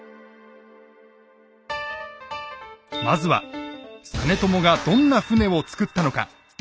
まずは実朝がどんな船を造ったのか。